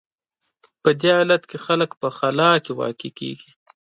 په دې حالت کې خلک په خلا کې واقع کېږي.